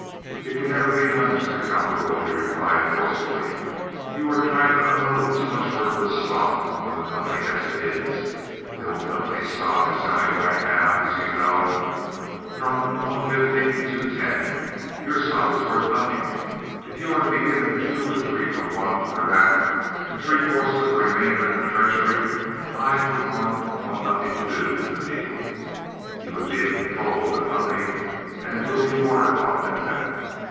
"It can never be done, Mr. Cowperwood," he replied, forcefully. "You are trying to unload too much worthless stock on the company as it is. The old companies' stock is selling right now, as you know, for from one fifty to two ten. Your stock is worth nothing. If you are to be given two or three for one for that, and three fourths of the remainder in the treasury, I for one want nothing to do with the deal. You would be in control of the company, and it will be water logged, at that.